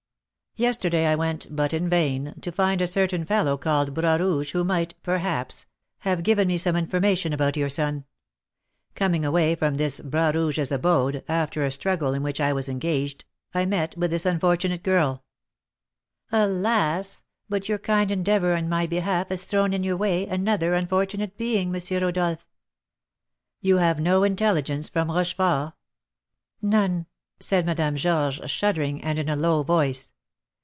Yesterday I went (but in vain) to find a certain fellow called Bras Rouge who might, perhaps, have given me some information about your son. Coming away from this Bras Rouge's abode, after a struggle in which I was engaged, I met with this unfortunate girl " "Alas! but your kind endeavour in my behalf has thrown in your way another unfortunate being, M. Rodolph." "You have no intelligence from Rochefort?" "None," said Madame Georges, shuddering, and in a low voice.